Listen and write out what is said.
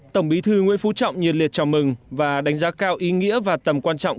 tổng bí thư nguyễn phú trọng nhiệt liệt chào mừng và đánh giá cao ý nghĩa và tầm quan trọng